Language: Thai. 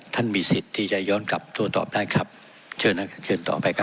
ท่านมีสิทธิ์ที่จะย้อนกลับตัวต่อไปครับเชิญต่อไปครับ